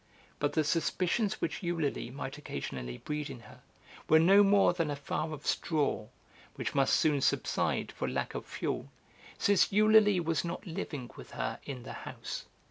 But the suspicions which Eulalie might occasionally breed in her were no more than a fire of straw, which must soon subside for lack of fuel, since Eulalie was not living with her in the house.